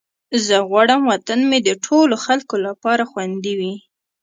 زه غواړم وطن مې د ټولو خلکو لپاره خوندي وي.